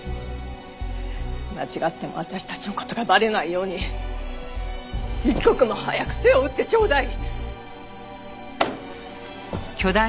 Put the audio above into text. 間違っても私たちの事がバレないように一刻も早く手を打ってちょうだい！